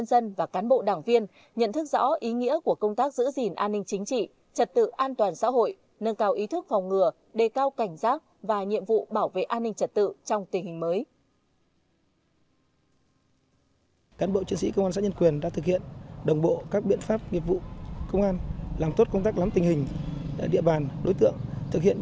các bộ đảng viên nhận thức rõ ý nghĩa của công tác giữ gìn an ninh chính trị trả tự an toàn xã hội nâng cao ý thức phòng ngừa đề cao cảnh giác và nhiệm vụ bảo vệ an ninh trả tự trong tình hình mới